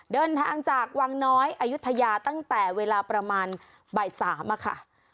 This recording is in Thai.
เดินทางจากวังน้อยอายุทยาตั้งแต่เวลาประมาณบ่าย๓ค่ะ